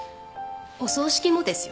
お葬式もですよね。